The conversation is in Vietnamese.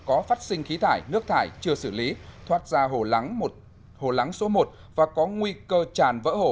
có phát sinh khí thải nước thải chưa xử lý thoát ra hồ lắng số một và có nguy cơ tràn vỡ hồ